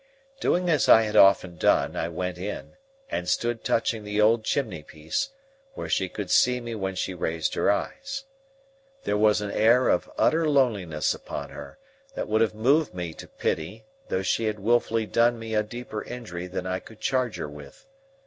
Doing as I had often done, I went in, and stood touching the old chimney piece, where she could see me when she raised her eyes. There was an air of utter loneliness upon her, that would have moved me to pity though she had wilfully done me a deeper injury than I could charge her with.